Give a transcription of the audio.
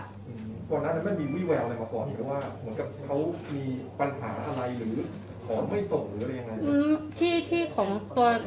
ตอนนั้นไม่มีวี่แววอะไรมาบอกอีกไหมว่าเหมือนกับเขามีปัญหาอะไรหรือของไม่ส่งหรืออะไรยังไง